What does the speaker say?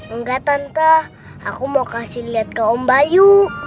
enggak tante aku mau kasih lihat ke om bayu